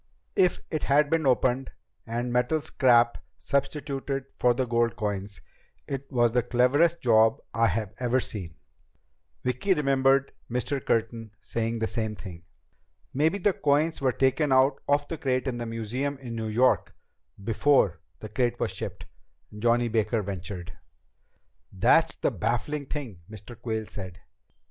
If it had been opened and metal scrap substituted for the gold coins, it was the cleverest job I've ever seen." Vicki remembered Mr. Curtin saying the same thing. "Maybe the coins were taken out of the crate in the museum in New York before the crate was shipped," Johnny Baker ventured. "That's the baffling thing," Mr. Quayle said.